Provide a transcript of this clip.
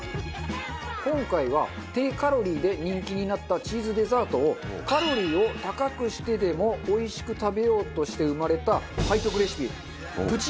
今回は低カロリーで人気になったチーズデザートをカロリーを高くしてでも美味しく食べようとして生まれた背徳レシピプチ